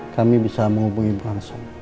kami bisa menghubungi langsung